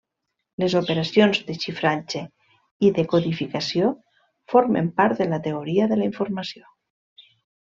Les operacions de xifratge i de codificació formen part de la teoria de la informació.